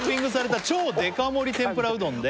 「超デカ盛り天ぷらうどんで」